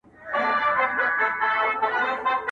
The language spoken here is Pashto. • وغورځول.